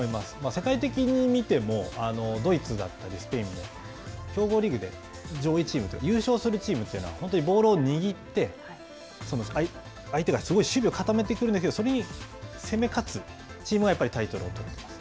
世界的に見てもドイツだったりスペインも強豪リーグで上位チームと優勝するチームというのは本当にボールを握って相手がすごい守備を固めてくるんだけどそれに攻め勝つチームがやっぱりタイトルを取っています。